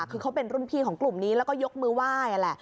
คือเขาเป็นรุ่นพี่ของกลุ่มนี้แล้วก็ยกมือไหว้นั่นแหละ